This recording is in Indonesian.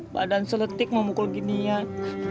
badan seletik memukul ginian